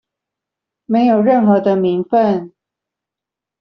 沒有任何的名份